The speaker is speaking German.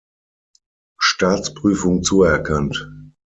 Staatsprüfung zuerkannt.